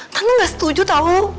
tante gak setuju tau